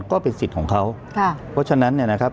ก็เป็นสิทธิ์ของเขาค่ะเพราะฉะนั้นเนี่ยนะครับ